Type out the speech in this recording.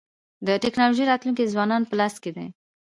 د ټکنالوژۍ راتلونکی د ځوانانو په لاس کي دی.